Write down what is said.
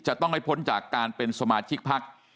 จะต้องให้พ้นจากการเป็นสมาชิกพัก